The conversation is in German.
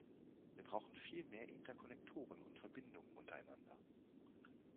Wir brauchen viel mehr Interkonnektoren und Verbindungen untereinander.